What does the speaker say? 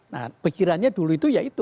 nah pikirannya dulu itu ya itu